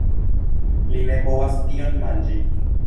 Li ne povas tion manĝi!